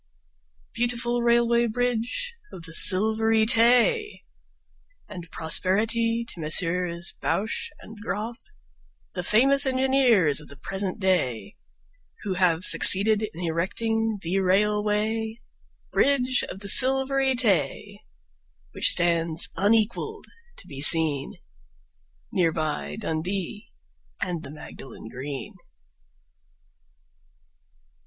Beautiful Railway Bridge of the Silvery Tay! And prosperity to Messrs Bouche and Grothe, The famous engineers of the present day, Who have succeeded in erecting The Railway Bridge of the Silvery Tay, Which stands unequalled to be seen Near by Dundee and the Magdalen Green.